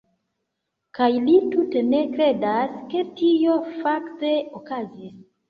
Kaj li tute ne kredas, ke tio fakte okazis.